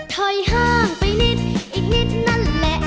ถอยห่างไปนิดอีกนิดนั่นแหละ